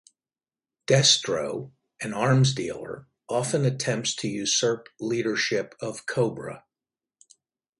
Destro, an arms dealer, often attempts to usurp leadership of Cobra.